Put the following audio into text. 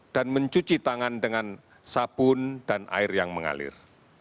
dan mencuci tangan dengan sabun dan air yang mengalir